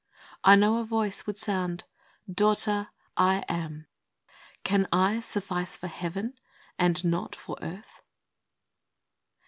I know a Voice would sound, " Daughter, I AM. Can I suffice for Heaven, and not for earth